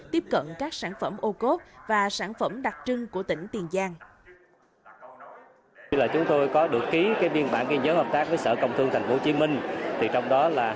tiếp cận các sản phẩm ocov và sản phẩm đặc trưng của tỉnh tiền giang